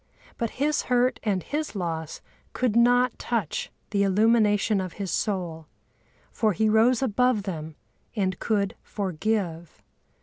But his hurt and his loss could not touch the illumination of his soul; for he rose above them and could forgive.